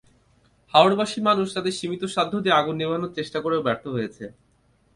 হাওরবাসী মানুষ তাদের সীমিত সাধ্য দিয়ে আগুন নেভানোর চেষ্টা করেও ব্যর্থ হয়েছে।